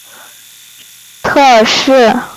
杜鲁道生于加拿大魁北克省的蒙特利尔市。